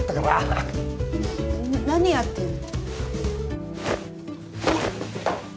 何やってるの？